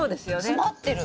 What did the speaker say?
詰まってる。